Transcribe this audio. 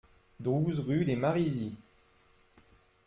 douze rue des Marizys